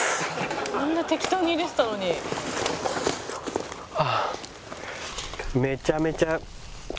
「あんな適当に入れてたのに」ああめちゃめちゃ。